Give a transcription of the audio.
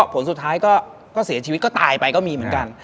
ผลสุดท้ายก็เสียชีวิตก็ตายไปก็มีเหมือนกัน